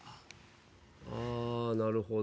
あー、なるほど。